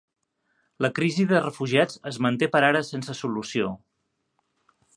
La crisi de refugiats es manté per ara sense solució